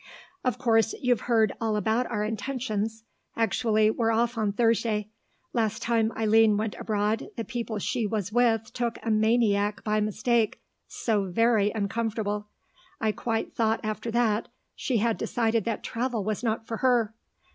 "Of course you've heard all about our intentions. Actually we're off on Thursday.... Last time Eileen went abroad, the people she was with took a maniac by mistake; so very uncomfortable. I quite thought after that she had decided that travel was not for her.